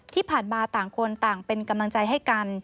ที่ผ่านมาต่างคนต่างเป็นกำลังใจให้กัน